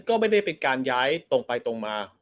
ก็ไม่ได้เป็นการย้ายตรงไปตรงมา